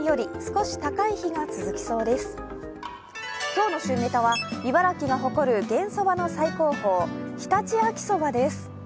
今日の旬ネタは茨城の誇る玄そばの最高峰、常陸秋そばです。